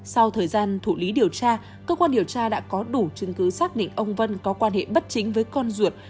sau thời gian thủ lý điều tra cơ quan điều tra đã có đủ chứng cứ xác định ông vân có quan hệ bất chính với con ruột